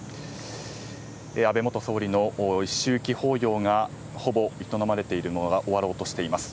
安倍元総理の一周忌法要がほぼ営まれているものが終わろうとしています。